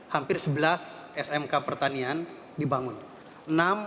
hampir sebelas smk pertanian dibangun